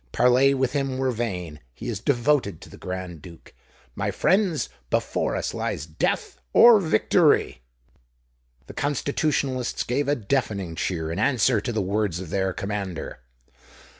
"Parley with him were vain—he is devoted to the Grand Duke. My friends, before us lies death or victory!" The Constitutionalists gave a deafening cheer in answer to the words of their commander.